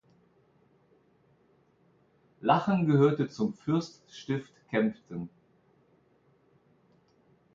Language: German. Lachen gehörte zum Fürststift Kempten.